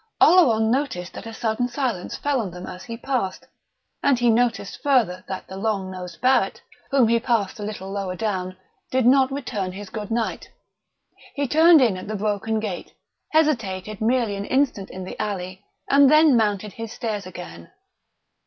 Oleron noticed that a sudden silence fell on them as he passed, and he noticed further that the long nosed Barrett, whom he passed a little lower down, did not return his good night. He turned in at the broken gate, hesitated merely an instant in the alley, and then mounted his stairs again.